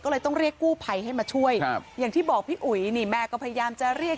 ก็เลยต้องเรียกกู้ภัยให้มาช่วยครับอย่างที่บอกพี่อุ๋ยนี่แม่ก็พยายามจะเรียก